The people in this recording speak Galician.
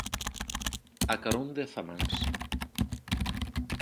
A carón de Zamáns.